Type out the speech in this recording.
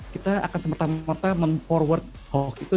kita akan semerta merta mem forward hoax itu